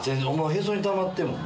へそにたまってんもん。